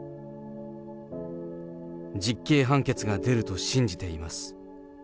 実刑判決が出ると信じています。